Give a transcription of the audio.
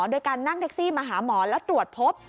โดยการนั่งแท็กซี่มาหาหมอแล้วตรวจพบ